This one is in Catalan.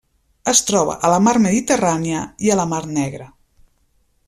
Es troba a la Mar Mediterrània i a la Mar Negra.